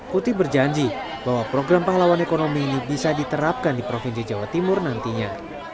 putih berjanji bahwa program pahlawan ekonomi ini bisa diterapkan di provinsi jawa timur nantinya